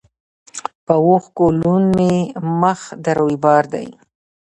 په اوښکو لوند مي مخ د رویبار دی